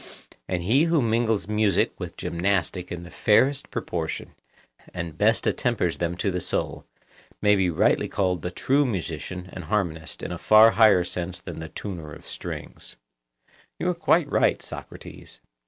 And he who mingles music with gymnastic in the fairest proportions, and best attempers them to the soul, may be rightly called the true musician and harmonist in a far higher sense than the tuner of the strings. You are quite right, Socrates.